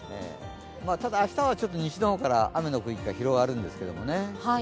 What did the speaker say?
ただ明日はちょっと西の方から、雨の空気が広がるんですけどね。